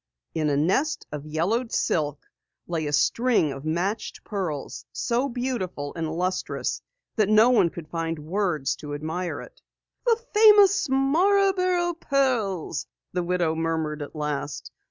In a nest of yellowed silk lay a string of matched pearls, so beautiful and lustrous that no one could find words to admire it. "The famous Marborough pearls," the widow murmured at last.